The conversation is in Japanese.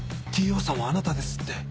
「Ｔ ・ Ｏ さんはあなたです」って